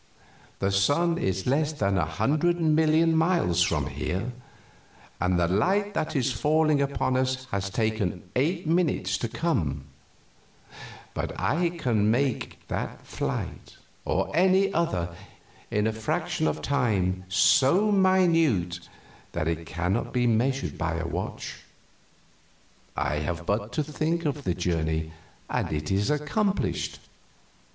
The sun is less than a hundred million miles from here, and the light that is falling upon us has taken eight minutes to come; but I can make that flight, or any other, in a fraction of time so minute that it cannot be measured by a watch. I have but to think the journey, and it is accomplished."